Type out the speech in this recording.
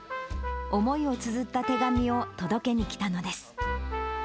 思いをつづった手紙を届けに来たのです。